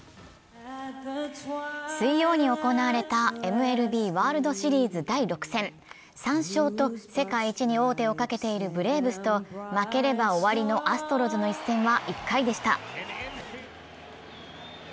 水曜に行われたＭＬＢワールドシリーズ第６戦。３勝と世界一に王手をかけているブレーブスと負ければ終わりのアストロズの一戦は１回でした。